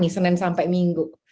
senin sampai minggu